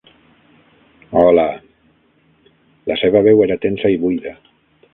"Hola...". La seva veu era tensa i buida.